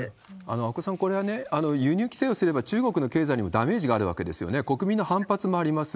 阿古さん、これね、輸入規制をすれば中国の経済にもダメージがある訳ですよね、国民の反発もあります。